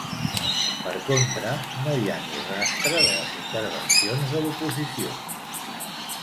Per contra, no hi ha ni rastre de les intervencions de l’oposició.